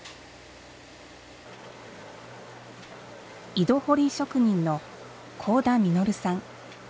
井戸掘り職人の甲田実さん。